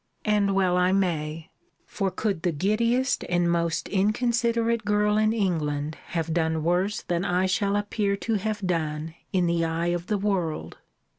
And well I may: For could the giddiest and most inconsiderate girl in England have done worse than I shall appear to have done in the eye of the world?